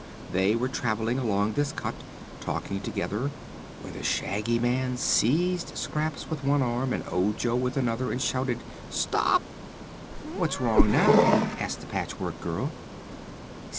They were traveling along this cut, talking together, when the Shaggy Man seized Scraps with one arm and Ojo with another and shouted: "Stop!" "What's wrong now?" asked the Patchwork Girl.